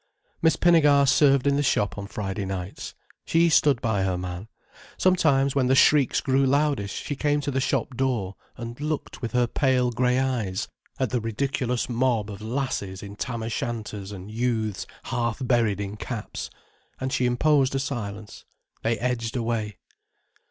Miss Pinnegar served in the shop on Friday nights. She stood by her man. Sometimes when the shrieks grew loudest she came to the shop door and looked with her pale grey eyes at the ridiculous mob of lasses in tam o shanters and youths half buried in caps. And she imposed a silence. They edged away.